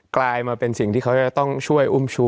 กลายมาเป็นสิ่งที่เขาจะต้องช่วยอุ้มชู้